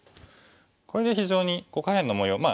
これで非常に下辺の模様。